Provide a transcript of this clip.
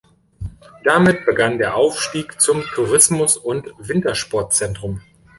Damit begann der Aufstieg zum Tourismus- und Wintersportzentrum.